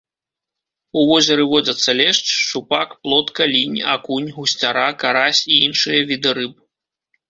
У возеры водзяцца лешч, шчупак, плотка, лінь, акунь, гусцяра, карась і іншыя віды рыб.